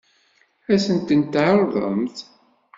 Ad sen-tent-tɛeṛḍemt?